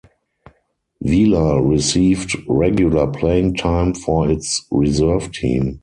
Vila received regular playing time for its reserve team.